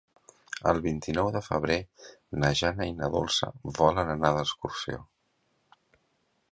El vint-i-nou de febrer na Jana i na Dolça volen anar d'excursió.